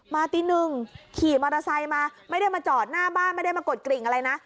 ตีหนึ่งขี่มอเตอร์ไซค์มาไม่ได้มาจอดหน้าบ้านไม่ได้มากดกริ่งอะไรนะ